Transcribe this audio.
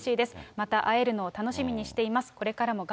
また会えるのを楽しみにしています。